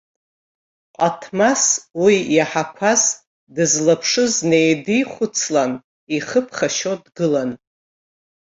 Ҟаҭмас, уи иаҳақәаз, дызлаԥшыз неидихәыцлан, ихы ԥхашьо дгылан.